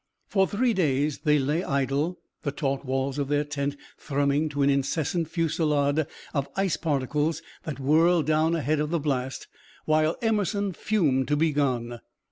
For three days they lay idle, the taut walls of their tent thrumming to an incessant fusillade of ice particles that whirled down ahead of the blast, while Emerson fumed to be gone.